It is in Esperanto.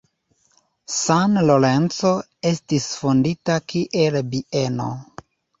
San Lorenzo estis fondita kiel bieno.